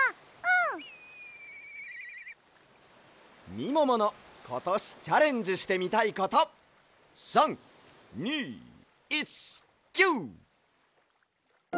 みもものことしチャレンジしてみたいこと３２１キュー！